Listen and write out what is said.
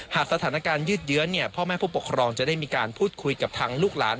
หากสถานการณ์ยืดเยื้อพ่อแม่ผู้ปกครองจะได้มีการพูดคุยกับทางลูกหลาน